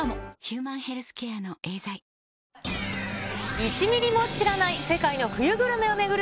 １ミリも知らない世界の冬グルメを巡る